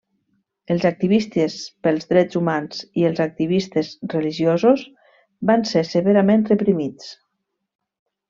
Els activistes pels drets humans i els activistes religiosos van ser severament reprimits.